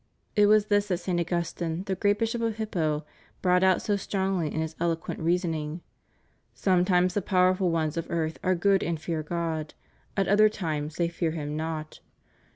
It was this that St. Augustine, the great Bishop of Hippo, brought out so strongly in his eloquent reason ing: "Sometimes the powerful ones of earth are good and fear God; at other times they fear Him not.